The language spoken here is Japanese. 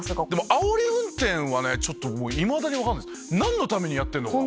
あおり運転はいまだに分かんない何のためにやってんのか。